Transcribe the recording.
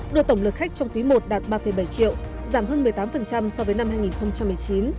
đưa tổng lượt khách trong quý i đạt ba bảy triệu giảm hơn một mươi tám so với năm hai nghìn một mươi chín